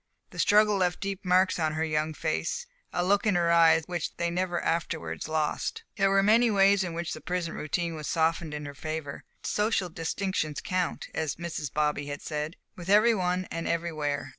The struggle left deep marks on her young face, a look in her eyes which they never afterwards lost. There were many ways in which the prison routine was softened in her favor. Social distinctions count, as Mrs. Bobby had said, with every one and everywhere.